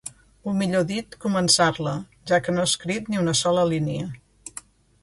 O millor dit, començar-la, ja que no ha escrit ni una sola línia.